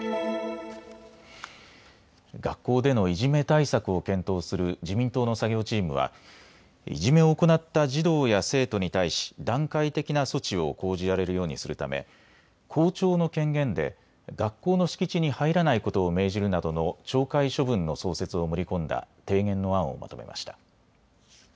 学校でのいじめ対策を検討する自民党の作業チームはいじめを行った児童や生徒に対し段階的な措置を講じられるようにするため校長の権限で学校の敷地に入らないことを命じるなどの懲戒処分の創設を盛り込んだ提言の案をまとめました。